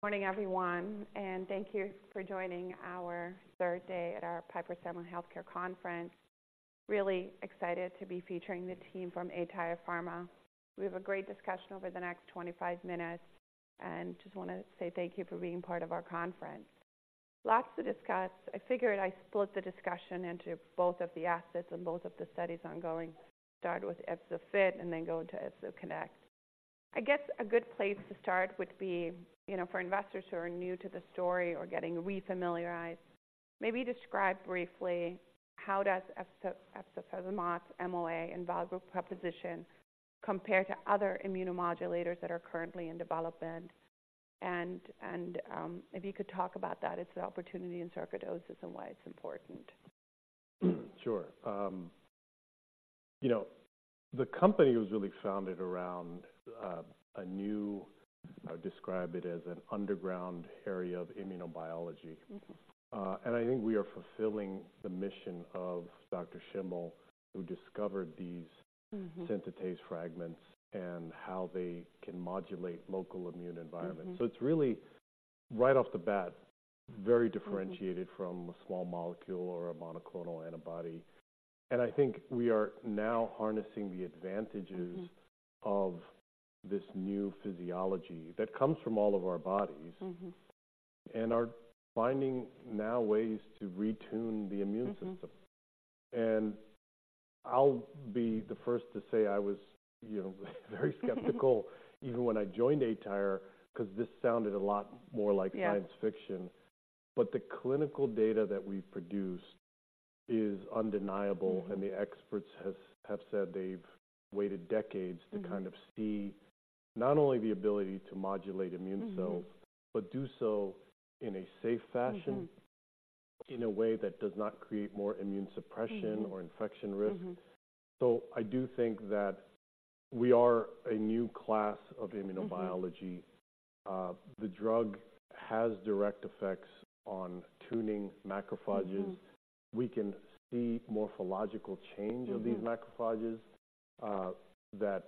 Morning, everyone, and thank you for joining our third day at our Piper Sandler Healthcare Conference. Really excited to be featuring the team from aTyr Pharma. We have a great discussion over the next 25 minutes, and just want to say thank you for being part of our conference. Lots to discuss. I figured I'd split the discussion into both of the assets and both of the studies ongoing. Start with EFZO-FIT and then go into EFZO-CONNECT. I guess a good place to start would be, you know, for investors who are new to the story or getting re-familiarized, maybe describe briefly how does efzofitimod MOA and value proposition compare to other immunomodulators that are currently in development? And, and, if you could talk about that, it's the opportunity in sarcoidosis and why it's important. Sure. You know, the company was really founded around a new, or describe it as an underground area of immunobiology. Mm-hmm. I think we are fulfilling the mission of Dr. Schimmel, who discovered these- Mm-hmm synthetase fragments and how they can modulate local immune environments. Mm-hmm. It's really, right off the bat, very differentiated- Mm-hmm... from a small molecule or a monoclonal antibody, and I think we are now harnessing the advantages- Mm-hmm... of this new physiology that comes from all of our bodies. Mm-hmm. Are finding now ways to retune the immune system. Mm-hmm. And I'll be the first to say, I was, you know, very skeptical -- even when I joined aTyr, 'cause this sounded a lot more like- Yeah... science fiction. But the clinical data that we've produced is undeniable- Mm-hmm... and the experts have said they've waited decades- Mm-hmm... to kind of see not only the ability to modulate immune cells- Mm-hmm... but do so in a safe fashion- Mm-hmm... in a way that does not create more immune suppression- Mm-hmm... or infection risk. Mm-hmm. I do think that we are a new class of immunobiology. Mm-hmm. The drug has direct effects on tuning macrophages. Mm-hmm. We can see morphological change. Mm-hmm... of these macrophages that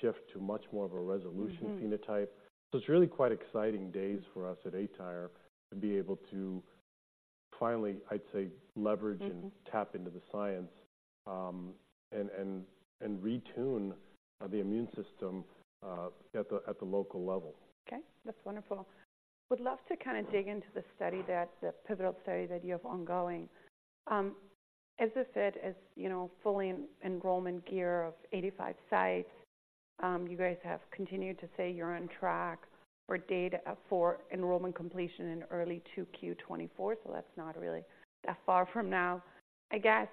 shift to much more of a resolution phenotype. Mm-hmm. It's really quite exciting days for us at aTyr to be able to finally, I'd say, leverage- Mm-hmm... and tap into the science, and retune the immune system at the local level. Okay, that's wonderful. Would love to kind of dig into the study that, the pivotal study that you have ongoing. As I said, as you know, fully in enrollment year of 85 sites, you guys have continued to say you're on track, for data for enrollment completion in early 2Q 2024. So that's not really that far from now. I guess,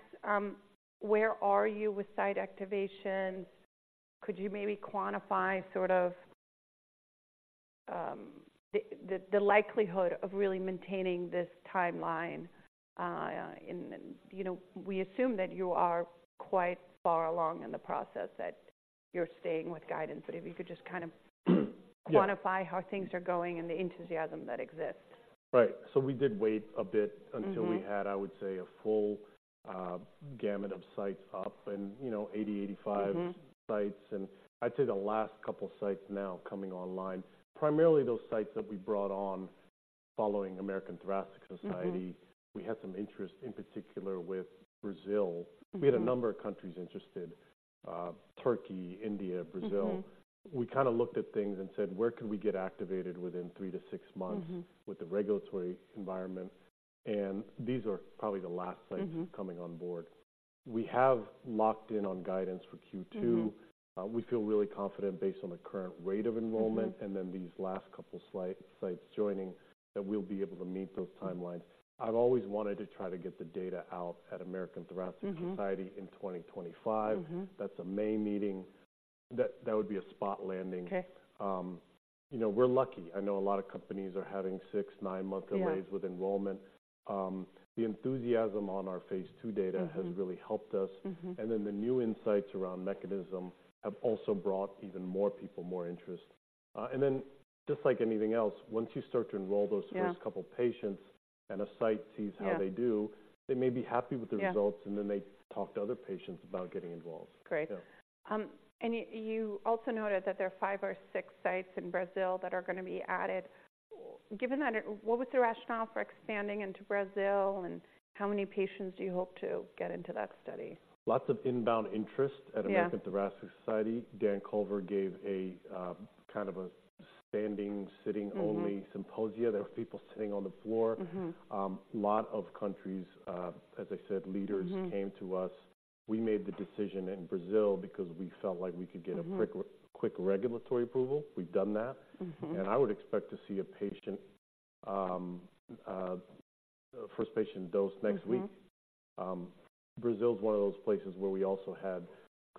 where are you with site activation? Could you maybe quantify sort of, the likelihood of really maintaining this timeline? In... You know, we assume that you are quite far along in the process, that you're staying with guidance, but if you could just kind of- Yeah... quantify how things are going and the enthusiasm that exists. Right. So we did wait a bit- Mm-hmm... until we had, I would say, a full, gamut of sites up and, you know, 80, 85- Mm-hmm... sites, and I'd say the last couple sites now coming online, primarily those sites that we brought on following American Thoracic Society. Mm-hmm. We had some interest, in particular with Brazil. Mm-hmm. We had a number of countries interested, Turkey, India, Brazil. Mm-hmm. We kind of looked at things and said: Where can we get activated within 3-6 months? Mm-hmm... with the regulatory environment? And these are probably the last sites- Mm-hmm... coming on board. We have locked in on guidance for Q2. Mm-hmm. We feel really confident based on the current rate of enrollment- Mm-hmm... and then these last couple sites joining, that we'll be able to meet those timelines. I've always wanted to try to get the data out at American Thoracic Society- Mm-hmm... in 2025. Mm-hmm. That's a main meeting. That would be a spot landing. Okay. You know, we're lucky. I know a lot of companies are having 6-9-month delays- Yeah... with enrollment. The enthusiasm on our phase II data- Mm-hmm... has really helped us. Mm-hmm. And then the new insights around mechanism have also brought even more people, more interest. And then just like anything else, once you start to enroll those- Yeah... first couple patients and a site sees how they do- Yeah... they may be happy with the results- Yeah... and then they talk to other patients about getting involved. Great. Yeah. You also noted that there are five or six sites in Brazil that are gonna be added. Given that, what was the rationale for expanding into Brazil, and how many patients do you hope to get into that study? Lots of inbound interest. Yeah... American Thoracic Society. Dan Culver gave a kind of a standing, sitting only- Mm-hmm... symposia. There were people sitting on the floor. Mm-hmm. A lot of countries, as I said, leaders- Mm-hmm... came to us. We made the decision in Brazil because we felt like we could get a- Mm-hmm... quick, quick regulatory approval. We've done that. Mm-hmm. I would expect to see a patient, first patient dose next week. Mm-hmm. Brazil is one of those places where we also had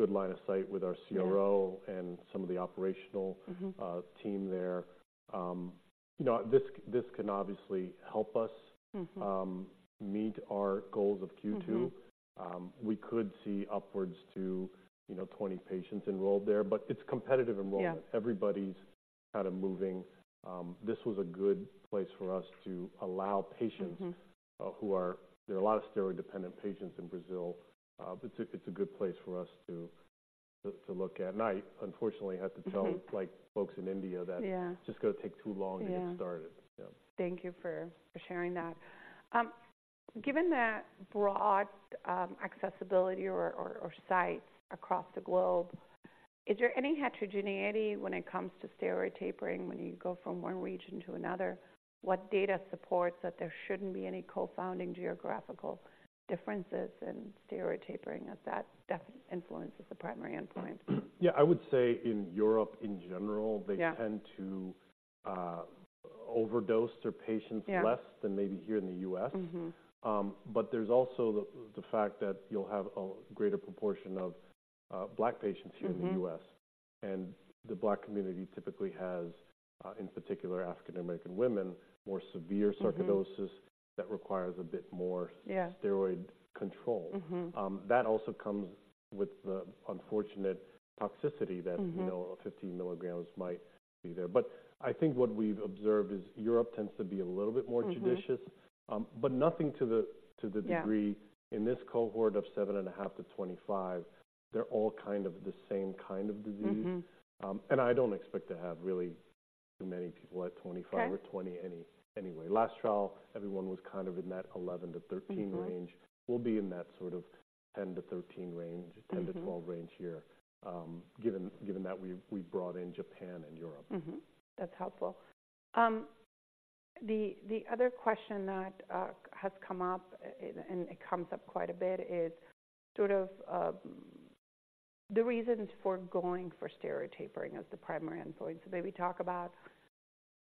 good line of sight with our CRO- Yeah... and some of the operational- Mm-hmm... team there. You know, this can obviously help us- Mm-hmm... meet our goals of Q2. Mm-hmm. We could see upwards to, you know, 20 patients enrolled there, but it's competitive enrollment. Yeah. Everybody's kind of moving. This was a good place for us to allow patients- Mm-hmm... there are a lot of steroid-dependent patients in Brazil. It's a good place for us to look at. And I, unfortunately, have to tell, like, folks in India that- Yeah. It's just gonna take too long. Yeah. To get started. Yeah. Thank you for sharing that. Given that broad accessibility or sites across the globe, is there any heterogeneity when it comes to steroid tapering when you go from one region to another? What data supports that there shouldn't be any confounding geographical differences in steroid tapering, if that definitely influences the primary endpoint? Yeah, I would say in Europe in general- Yeah -they tend to overdose their patients- Yeah less than maybe here in the U.S. Mm-hmm. But there's also the fact that you'll have a greater proportion of Black patients here- Mm-hmm in the U.S., and the Black community typically has, in particular African American women, more severe- Mm-hmm sarcoidosis that requires a bit more. Yeah -steroid control. Mm-hmm. that also comes with the unfortunate toxicity that- Mm-hmm You know, 15 milligrams might be there. But I think what we've observed is Europe tends to be a little bit more- Mm-hmm... judicious, but nothing to the degree- Yeah —in this cohort of 7.5-25, they're all kind of the same kind of disease. Mm-hmm. I don't expect to have really too many people at 25- Okay or 20, anyway. Last trial, everyone was kind of in that 11-13 range. Mm-hmm. We'll be in that sort of 10-13 range- Mm-hmm -10-12 range here, given that we brought in Japan and Europe. Mm-hmm. That's helpful. The other question that has come up, and it comes up quite a bit, is sort of the reasons for going for steroid tapering as the primary endpoint. So maybe talk about,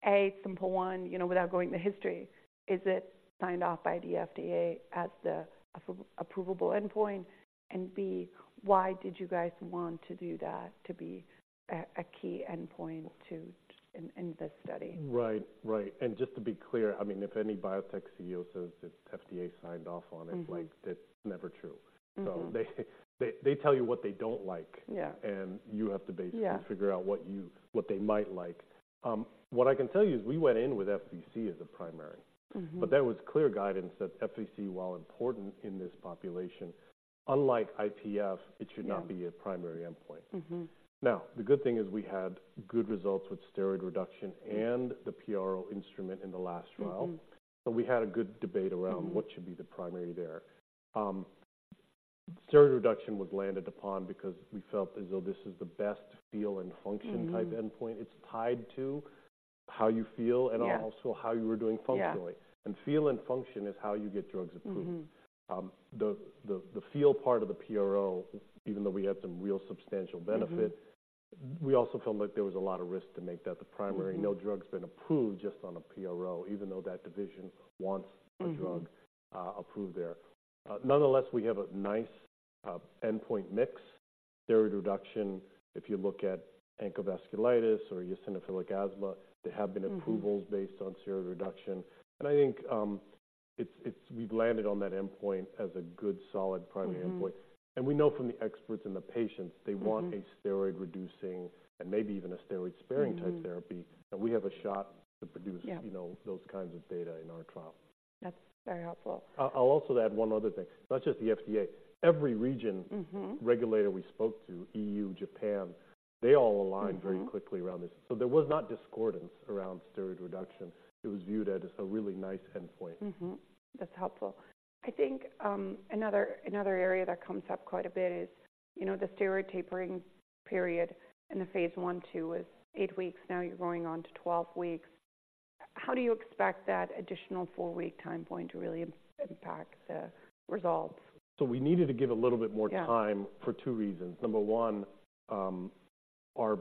A, simple one, you know, without going into history, is it signed off by the FDA as the approvable endpoint? And, B, why did you guys want to do that to be a key endpoint in this study? Right. Right. And just to be clear, I mean, if any biotech CEO says the FDA signed off on it- Mm-hmm... like, that's never true. Mm-hmm. So they tell you what they don't like- Yeah and you have to basically Yeah Figure out what you, what they might like. What I can tell you is we went in with FVC as a primary. Mm-hmm. There was clear guidance that FVC, while important in this population, unlike IPF, it should- Yeah not be a primary endpoint. Mm-hmm. Now, the good thing is we had good results with steroid reduction and the PRO instrument in the last trial. Mm-hmm. We had a good debate around- Mm-hmm what should be the primary there. Steroid reduction was landed upon because we felt as though this is the best feel and function - Mm-hmm -type endpoint. It's tied to how you feel- Yeah and also how you were doing functionally. Yeah. Feel and function is how you get drugs approved. Mm-hmm. The feel part of the PRO, even though we had some real substantial benefit- Mm-hmm... we also felt like there was a lot of risk to make that the primary. Mm-hmm. No drug's been approved just on a PRO, even though that division wants- Mm-hmm -a drug approved there. Nonetheless, we have a nice endpoint mix steroid reduction. If you look at ankylosing spondylitis or eosinophilic asthma, there have been- Mm-hmm approvals based on steroid reduction. And I think, it's we've landed on that endpoint as a good, solid primary endpoint. Mm-hmm. We know from the experts and the patients, they want- Mm-hmm a steroid-reducing and maybe even a steroid-sparing Mm-hmm type therapy, and we have a shot to produce Yeah You know, those kinds of data in our trial. That's very helpful. I'll also add one other thing. Not just the FDA, every region- Mm-hmm regulator we spoke to, EU, Japan, they all aligned. Mm-hmm Very quickly around this. So there was not discordance around steroid reduction. It was viewed as a really nice endpoint. Mm-hmm. That's helpful. I think, another area that comes up quite a bit is, you know, the steroid tapering period in the phase I and II was eight weeks, now you're going on to 12 weeks. How do you expect that additional four-week time point to really impact the results? We needed to give a little bit more time- Yeah -for two reasons. Number one, our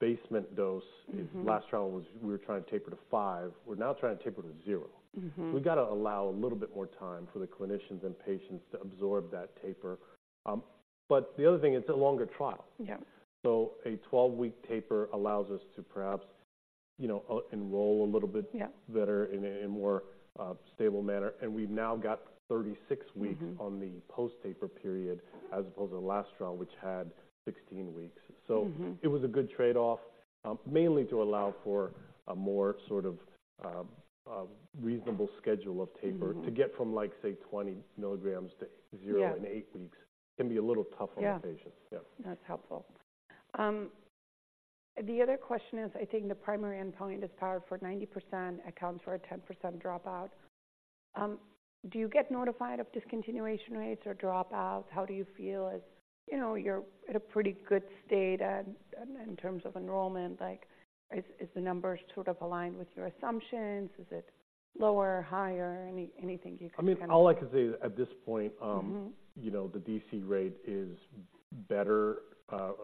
basement dose- Mm-hmm in last trial was we were trying to taper to five, we're now trying to taper to zero. Mm-hmm. We've got to allow a little bit more time for the clinicians and patients to absorb that taper. But the other thing, it's a longer-trial. Yeah. So a 12-week taper allows us to perhaps, you know, enroll a little bit- Yeah -better in a more stable manner, and we've now got 36 weeks- Mm-hmm -on the post-taper period, as opposed to the last trial, which had 16 weeks. Mm-hmm. So it was a good trade-off, mainly to allow for a more sort of reasonable schedule of taper- Mm-hmm -to get from, like, say, 20 milligrams to zero- Yeah in eight weeks can be a little tough on the patient. Yeah. Yeah. That's helpful. The other question is, I think the primary endpoint is powered for 90%, accounts for a 10% dropout. Do you get notified of discontinuation rates or dropouts? How do you feel, as you know, you're at a pretty good state in terms of enrollment? Like, is the numbers sort of aligned with your assumptions? Is it lower, higher? Anything you can- I mean, all I can say is at this point. Mm-hmm... you know, the D.C. rate is better,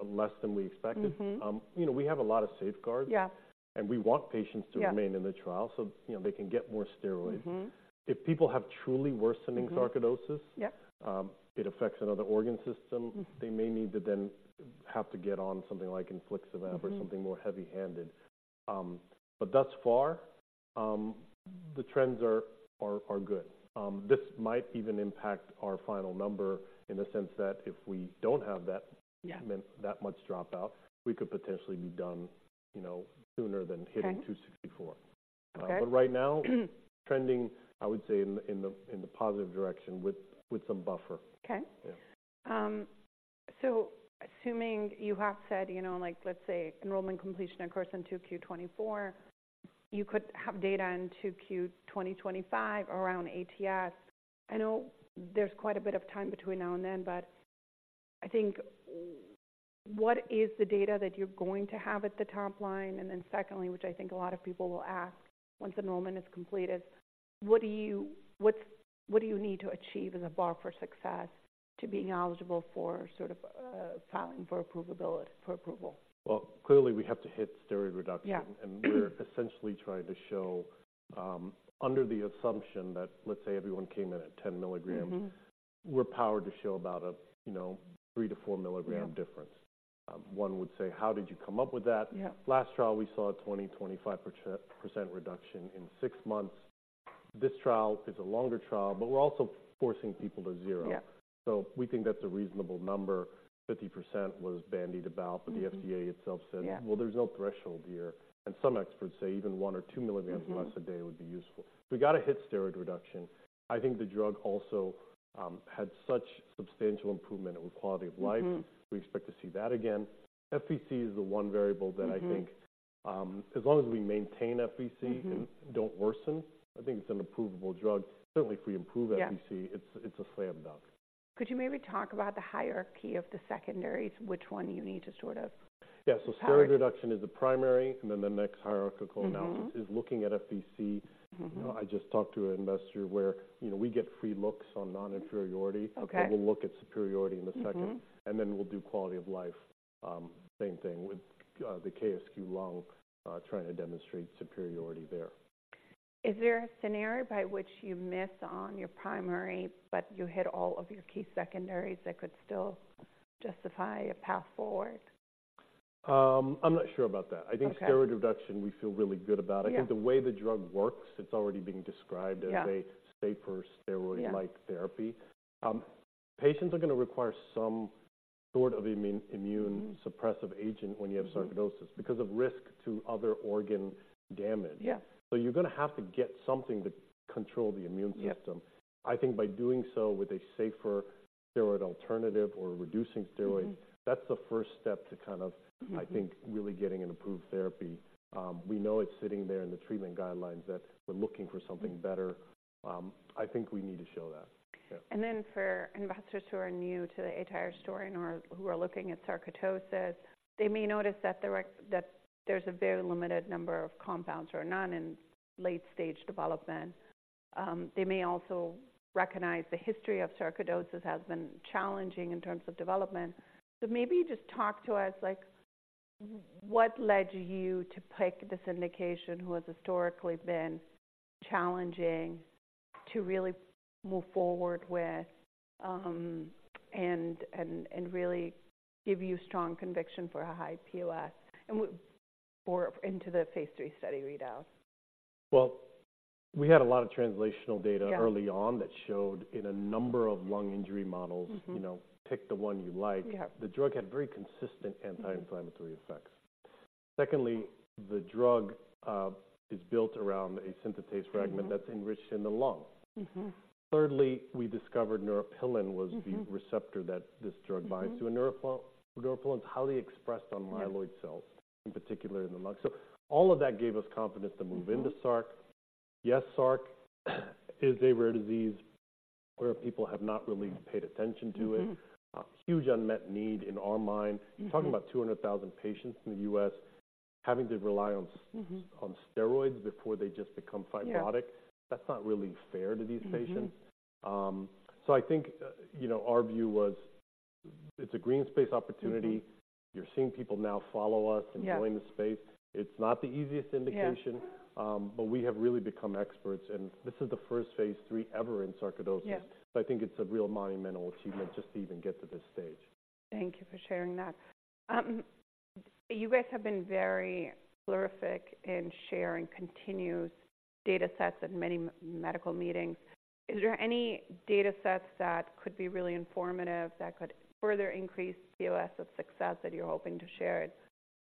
less than we expected. Mm-hmm. You know, we have a lot of safeguards. Yeah. And we want patients to- Yeah remain in the trial, so you know, they can get more steroids. Mm-hmm. If people have truly worsening. Mm-hmm... sarcoidosis- Yeah It affects another organ system- Mm... they may need to then have to get on something like infliximab- Mm-hmm -or something more heavy-handed. But thus far, the trends are good. This might even impact our final number in the sense that if we don't have that- Yeah that much dropout, we could potentially be done, you know, sooner than- Okay... hitting $2.64. But right now, trending, I would say, in the positive direction with some buffer. Okay. Yeah. So assuming you have said, you know, like, let's say enrollment completion, of course, in 2Q 2024, you could have data in 2Q 2025 around ATS. I know there's quite a bit of time between now and then, but I think, what is the data that you're going to have at the top line? And then secondly, which I think a lot of people will ask once enrollment is completed: What do you need to achieve as a bar for success to being eligible for sort of, filing for approvability, for approval? Well, clearly we have to hit steroid reduction. Yeah. We're essentially trying to show, under the assumption that, let's say everyone came in at 10 milligrams- Mm-hmm. We're powered to show about a, you know, 3-4 milligram- Yeah -difference. One would say: How did you come up with that? Yeah. Last trial, we saw a 20-25% reduction in six months. This trial is a longer trial, but we're also forcing people to zero. Yeah. We think that's a reasonable number. 50% was bandied about- Mm-hmm. but the FDA itself said Yeah Well, there's no threshold here. And some experts say even 1 or 2 milligrams. Mm-hmm Less a day would be useful. We got to hit steroid reduction. I think the drug also had such substantial improvement with quality of life. Mm-hmm. We expect to see that again. FVC is the one variable that- Mm-hmm -I think, as long as we maintain FVC- Mm-hmm and don't worsen, I think it's an approvable drug. Certainly, if we improve FVC Yeah It's, it's a slam dunk. Could you maybe talk about the hierarchy of the secondaries, which one you need to sort of? Yeah. Got it. Steroid reduction is the primary, and then the next hierarchical analysis- Mm-hmm is looking at FVC. Mm-hmm. You know, I just talked to an investor where, you know, we get free looks on non-inferiority. Okay. But we'll look at superiority in a second. Mm-hmm. And then we'll do quality of life. Same thing with the KSQ-Lung, trying to demonstrate superiority there. Is there a scenario by which you miss on your primary, but you hit all of your key secondaries that could still justify a path forward? I'm not sure about that. Okay. I think steroid reduction, we feel really good about. Yeah. I think the way the drug works, it's already been described- Yeah as a safer steroid-like Yeah -therapy. Patients are going to require some sort of immune- Mm-hmm -suppressive agent when you have sarcoidosis- Mm-hmm because of risk to other organ damage. Yeah. You're going to have to get something to control the immune system. Yeah. I think by doing so with a safer steroid alternative or reducing steroids- Mm-hmm That's the first step to kind of- Mm-hmm I think, really getting an approved therapy. We know it's sitting there in the treatment guidelines, that we're looking for something better. I think we need to show that. Yeah. Then for investors who are new to the aTyr story and or who are looking at sarcoidosis, they may notice that that there's a very limited number of compounds or none in late-stage development. They may also recognize the history of sarcoidosis has been challenging in terms of development. So maybe just talk to us like, what led you to pick this indication, which has historically been challenging to really move forward with, and really give you strong conviction for a high POS and for into the phase III study readout? Well, we had a lot of translational data- Yeah early on that showed in a number of lung injury models Mm-hmm. You know, pick the one you like. Yeah. The drug had very consistent anti-inflammatory effects. Secondly, the drug is built around a synthetase fragment- Mm-hmm that's enriched in the lungs. Mm-hmm. Thirdly, we discovered neuropilin was- Mm-hmm the receptor that this drug binds Mm-hmm -to. Neuropilin is highly expressed on myeloid cells- Yeah in particular in the lung. So all of that gave us confidence to move into sarc. Mm-hmm. Yes, sarc is a rare disease where people have not really paid attention to it. Mm-hmm. Huge unmet need in our mind. Mm-hmm. Talking about 200,000 patients in the U.S. having to rely on- Mm-hmm on steroids before they just become fibrotic. Yeah. That's not really fair to these patients. Mm-hmm. I think, you know, our view was it's a green space opportunity. Mm-hmm. You're seeing people now follow us- Yeah and join the space. It's not the easiest indication. Yeah. But we have really become experts, and this is the first phase III ever in sarcoidosis. Yeah. I think it's a real monumental achievement just to even get to this stage. Thank you for sharing that. You guys have been very prolific in sharing continuous data sets at many medical meetings. Is there any data sets that could be really informative, that could further increase POS of success, that you're hoping to share at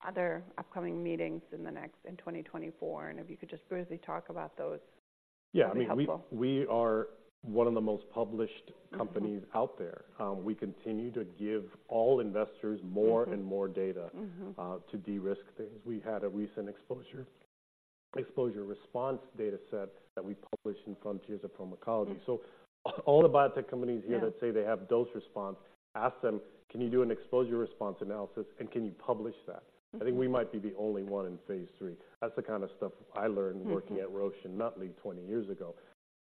other upcoming meetings in the next, in 2024? And if you could just briefly talk about those. Yeah, I mean- That'd be helpful.... we are one of the most published companies- Mm-hmm -out there. We continue to give all investors- Mm-hmm more and more data. Mm-hmm To de-risk things. We had a recent exposure-response data set that we published in Frontiers in Pharmacology. Mm-hmm. So all the biotech companies here- Yeah -that say they have dose response, ask them: Can you do an exposure response analysis, and can you publish that? Mm-hmm. I think we might be the only one in phase III. That's the kind of stuff I learned- Mm-hmm working at Roche in Nutley 20 years ago.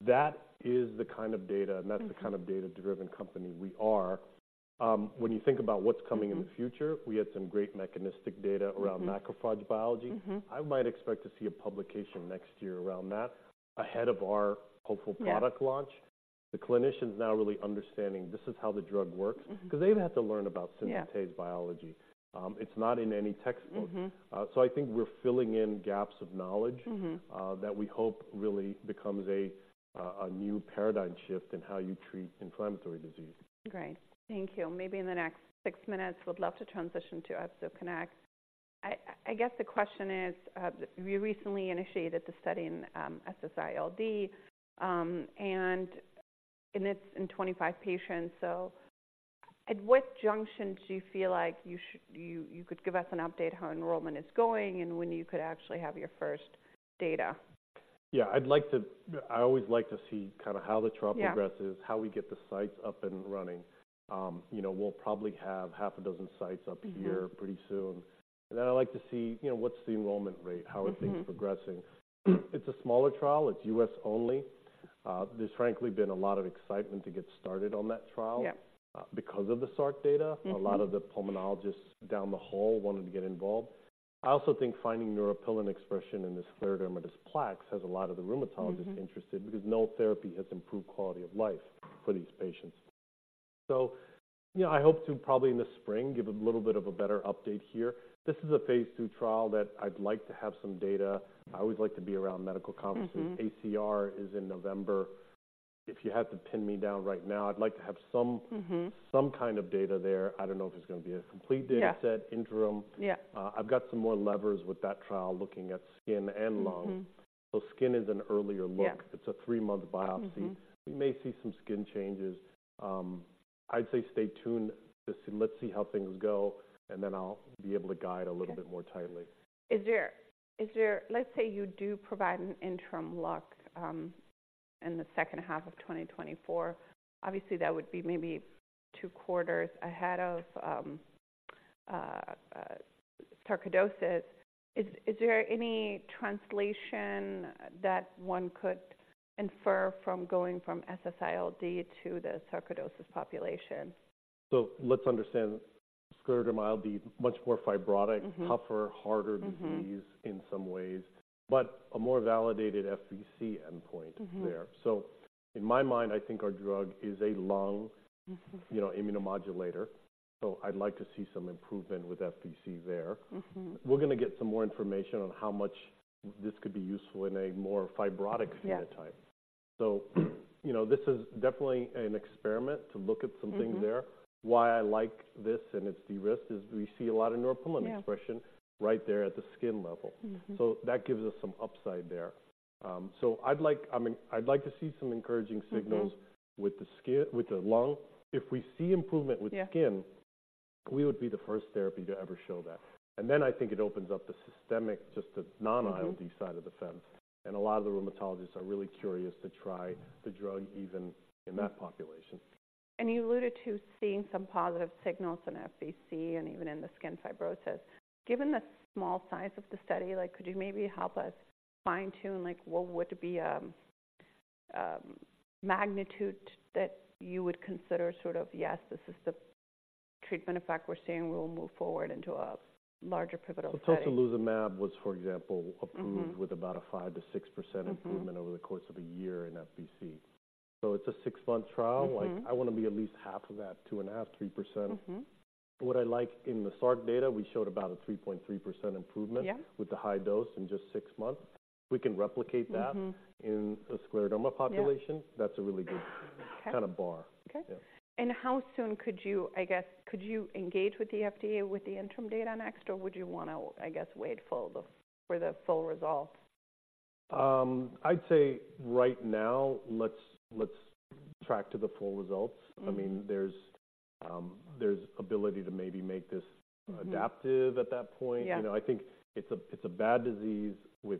That is the kind of data- Mm-hmm -and that's the kind of data-driven company we are. When you think about what's coming- Mm-hmm In the future, we had some great mechanistic data. Mm-hmm around macrophage biology. Mm-hmm. I might expect to see a publication next year around that ahead of our hopeful- Yeah -product launch. The clinicians now really understanding this is how the drug works. Mm-hmm because they've had to learn about synthetase biology. Yeah. It's not in any textbook. Mm-hmm. I think we're filling in gaps of knowledge- Mm-hmm that we hope really becomes a new paradigm shift in how you treat inflammatory disease. Great. Thank you. Maybe in the next six minutes, would love to transition to EFZO-CONNECT. I guess the question is, you recently initiated the study in SSc-ILD, and it's in 25 patients. So at what junction do you feel like you should you could give us an update how enrollment is going, and when you could actually have your first data? Yeah, I'd like to. I always like to see kind of how the trial- Yeah -progresses, how we get the sites up and running. You know, we'll probably have half a dozen sites up here- Mm-hmm Pretty soon. And then I'd like to see, you know, what's the enrollment rate? Mm-hmm. How are things progressing? It's a smaller trial. It's U.S. only. There's frankly been a lot of excitement to get started on that trial- Yeah ... because of the sarc data. Mm-hmm. A lot of the pulmonologists down the hall wanted to get involved. I also think finding neuropilin expression in the scleroderma plaques has a lot of the rheumatologists- Mm-hmm... interested because no therapy has improved quality of life for these patients. So, you know, I hope to probably in the spring, give a little bit of a better update here. This is a phase II trial that I'd like to have some data. I always like to be around medical conferences. Mm-hmm. ACR is in November. If you had to pin me down right now, I'd like to have some- Mm-hmm... some kind of data there. I don't know if it's going to be a complete data set- Yeah... interim. Yeah. I've got some more levers with that trial, looking at skin and lung. Mm-hmm. Skin is an earlier look. Yeah. It's a three-month biopsy. Mm-hmm. We may see some skin changes. I'd say stay tuned to see. Let's see how things go, and then I'll be able to guide a little- Yeah... bit more tightly. Is there—Let's say you do provide an interim look in the second half of 2024. Obviously, that would be maybe two quarters ahead of sarcoidosis. Is there any translation that one could infer from going from SSc-ILD to the sarcoidosis population? Let's understand, scleroderma will be much more fibrotic- Mm-hmm... tougher, harder disease- Mm-hmm... in some ways, but a more validated FVC endpoint there. Mm-hmm. In my mind, I think our drug is a lung- Mm-hmm... you know, immunomodulator. So I'd like to see some improvement with FVC there. Mm-hmm. We're going to get some more information on how much this could be useful in a more fibrotic phenotype. Yeah. You know, this is definitely an experiment to look at some things there. Mm-hmm. Why I like this and it's de-risked, is we see a lot of neuropilin expression- Yeah... right there at the skin level. Mm-hmm. So that gives us some upside there. I'd like, I mean, I'd like to see some encouraging signals- Mm-hmm... with the skin, with the lung. If we see improvement with skin- Yeah... we would be the first therapy to ever show that. And then I think it opens up the systemic, just the non-ILD- Mm-hmm... side of the fence, and a lot of the rheumatologists are really curious to try the drug even in that population. You alluded to seeing some positive signals in FVC and even in the skin fibrosis. Given the small size of the study, like, could you maybe help us fine-tune? Like, what would be a magnitude that you would consider sort of, "Yes, this is the treatment effect we're seeing, we will move forward into a larger pivotal study? Tocilizumab was, for example- Mm-hmm... approved with about a 5%-6%- Mm-hmm... improvement over the course of a year in FVC. So it's a six-month trial. Mm-hmm. Like, I want to be at least half of that, 2.5%-3%. Mm-hmm. What I like in the sarc data, we showed about a 3.3% improvement- Yeah... with the high dose in just six months. We can replicate that- Mm-hmm... in the scleroderma population. Yeah. That's a really good- Okay... kind of bar. Okay. Yeah. How soon could you, I guess, could you engage with the FDA with the interim data next, or would you want to, I guess, wait for the, for the full results? I'd say right now, let's track to the full results. Mm-hmm. I mean, there's ability to maybe make this- Mm-hmm... adaptive at that point. Yeah. You know, I think it's a bad disease with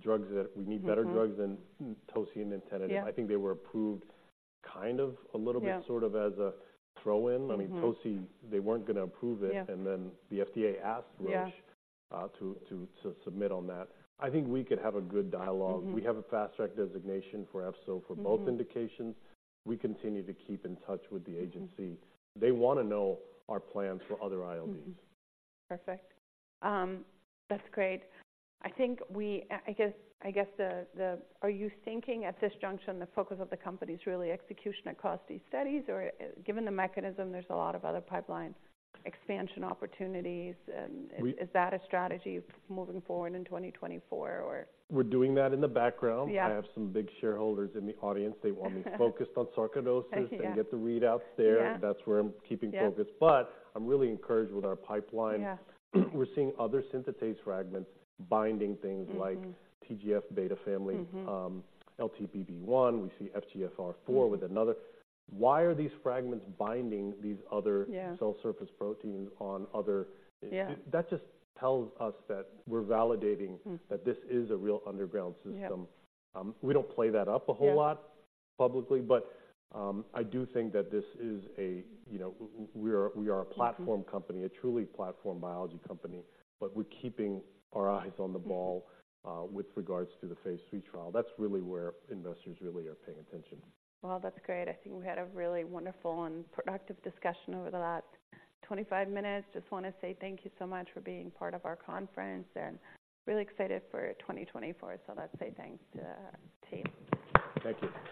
drugs that we need- Mm-hmm Better drugs than tocilizumab and etanercept. Yeah. I think they were approved kind of a little bit- Yeah... sort of as a throw-in. Mm-hmm. I mean, Toci, they weren't going to approve it- Yeah... and then the FDA asked Roche- Yeah... to submit on that. I think we could have a good dialogue. Mm-hmm. We have a Fast Track designation for EFZO for both indications. Mm-hmm. We continue to keep in touch with the agency. They want to know our plans for other ILDs. Mm-hmm. Perfect. That's great. I think we, I guess the... Are you thinking at this junction, the focus of the company is really execution across these studies, or given the mechanism, there's a lot of other pipeline expansion opportunities, and- We-... is that a strategy moving forward in 2024, or? We're doing that in the background. Yeah. I have some big shareholders in the audience. They want me focused on sarcoidosis- Yeah... and get the readouts there. Yeah. That's where I'm keeping focus. Yeah. But I'm really encouraged with our pipeline. Yeah. We're seeing other synthetase fragments binding things- Mm-hmm... like TGF-beta family- Mm-hmm... LTBP1, we see FGFR4 with another. Why are these fragments binding these other- Yeah... cell surface proteins on other? Yeah. That just tells us that we're validating- Mm... that this is a real underground system. Yeah. We don't play that up a whole lot- Yeah... publicly, but, I do think that this is a, you know, we are a platform- Mm-hmm... company, a truly platform biology company, but we're keeping our eyes on the ball- Mm-hmm... with regards to the phase III trial. That's really where investors really are paying attention. Well, that's great. I think we had a really wonderful and productive discussion over the last 25 minutes. Just want to say thank you so much for being part of our conference, and really excited for 2024. Let's say thanks to the team. Thank you.